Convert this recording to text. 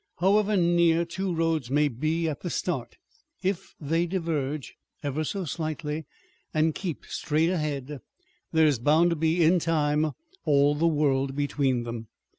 However near two roads may be at the start, if they diverge ever so slightly and keep straight ahead, there is bound to be in time all the world between them.